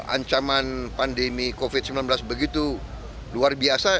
ancaman pandemi covid sembilan belas begitu luar biasa